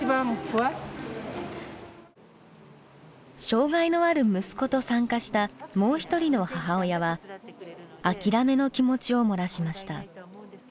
障害のある息子と参加したもう一人の母親は「諦めの気持ち」を漏らしました。